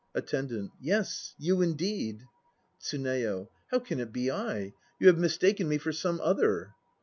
ATTENDANT. Yes, you indeed. TSUNEYO. How can it be I? You have mistaken me for some other.